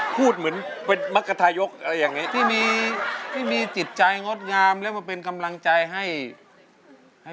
พูดเหมือนเป็นมรรคไทยกอะไรอย่างนี้